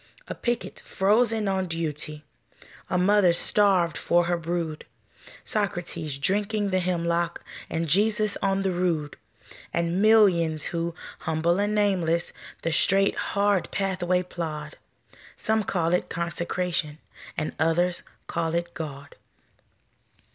A picket frozen on duty, A mother starved for her brood, Socrates drinking the hemlock, And Jesus on the rood; And millions who, humble and nameless, The straight, hard pathway plod, Some call it Consecration, And others call it God.